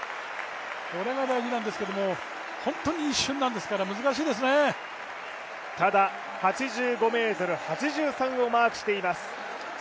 これが大事なんですけれども、本当に一瞬ですから、難しいですねただ８５ｍ８３をマークしています。